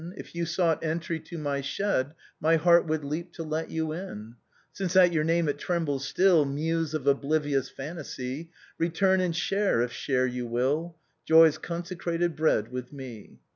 If you sought entry to my shed My heart would leap to let you in : Since at your name it trembles still — Muse of oblivious fantasy !— Return and share, if share you will, Joy's consecrated bread with me.